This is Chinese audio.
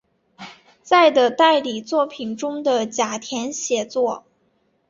在的代理作品中的甲田写作。